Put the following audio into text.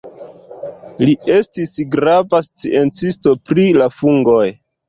Li estis grava sciencisto pri la fungoj.